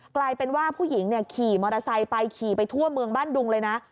กลายเป็นว่าผู้หญิงขี่มอเตอร์ไซค์ไปขี่ไปทั่วเมืองบ้านดุงเลยนะ